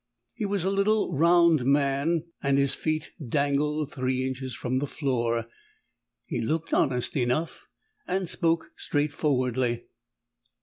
He was a little, round man, and his feet dangled three inches from the floor. He looked honest enough, and spoke straightforwardly.